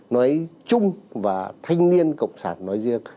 nói chung và thanh niên cộng sản nói riêng